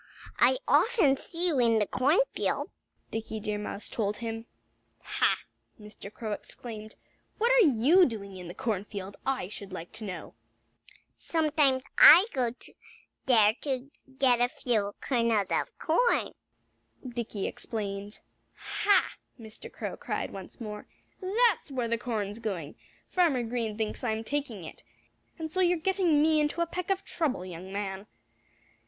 "I often see you in the cornfield," Dickie Deer Mouse told him. "Ha!" Mr. Crow exclaimed. "What are you doing in the cornfield, I should like to know?" "Sometimes I go there to get a few kernels of corn," Dickie explained. "Ha!" Mr. Crow cried once more. "That's where the corn's going! Farmer Green thinks I'm taking it. And so you're getting me into a peck of trouble, young man."